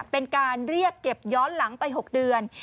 เป็นการเรียกเก็บย้อนหลังไป๖เดือน